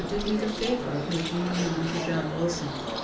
did me the favour of making me known to John Wilson....